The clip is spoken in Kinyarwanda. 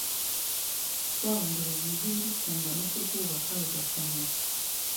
rwabo ngo rugwize ibirutunga no kurwubaka rugakomera